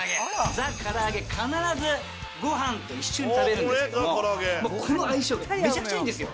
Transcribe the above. ザ・から揚げ、必ずごはんと一緒に食べるんですけども、もう、この相性、めちゃくちゃいいんですよ。